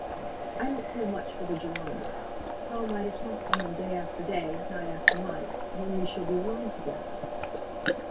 "I don't care much for the Girondists. How am I to talk to him day after day, night after night, when we shall be alone together?"